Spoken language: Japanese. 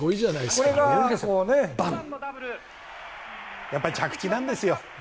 これがやっぱり着地なんですよ。